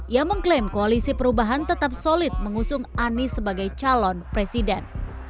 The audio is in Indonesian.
ia mengklaim koalisi perubahan tetap solid mengusung anies sebagai calon presiden